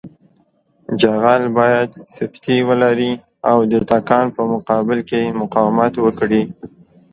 جغل باید سفتي ولري او د تکان په مقابل کې مقاومت وکړي